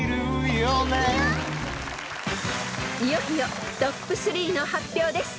［いよいよトップ３の発表です］